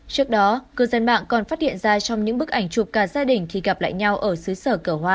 trước đó cư dân bạn còn phát hiện ra trong những bức ảnh chụp cả gia đình khi gặp lại nhau ở xứ sở cửa hoa